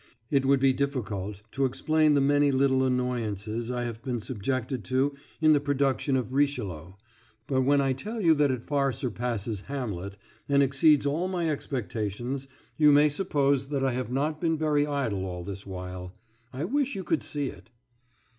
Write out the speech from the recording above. It would be difficult to explain the many little annoyances I have been subjected to in the production of "Richelieu," but when I tell you that it far surpasses "Hamlet," and exceeds all my expectations, you may suppose that I have not been very idle all this while. I wish you could see it.